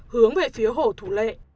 hướng về phía hồ thủ lệ